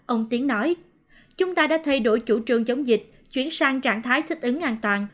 ông tiếng nói chúng ta đã thay đổi chủ trương chống dịch chuyển sang trạng thái thích ứng an toàn